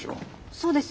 そうです。